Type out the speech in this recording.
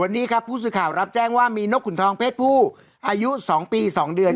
วันนี้ครับผู้สื่อข่าวรับแจ้งว่ามีนกขุนทองเพศผู้อายุ๒ปี๒เดือน